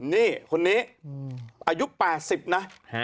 นี่คนนี้อายุ๘๐นะ